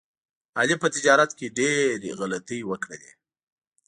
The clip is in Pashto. علي په تجارت کې ډېر غلطۍ وکړلې.